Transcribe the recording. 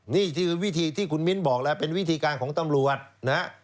นี่คือวิธีที่คุณมิ้นบอกแล้วเป็นวิธีการของตำรวจนะฮะ